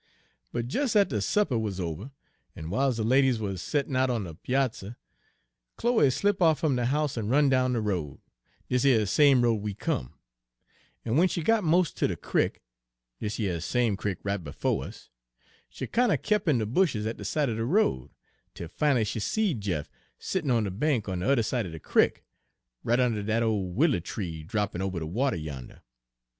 But des atter supper wuz ober, en w'iles de ladies wuz settin' out on de piazzer, Chloe slip' off fum de house en run down de road, dis yer same road we come; en w'en she got mos' ter de crickÄdis yer same crick right befo' us she kin' er kep' in de bushes at de side er de road, 'tel fin'lly she seed Jeff settin' on de bank on de udder side er de crick, right unner dat ole wilier tree droopin' ober de water yander.